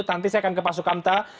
nanti saya akan ke pak sukamta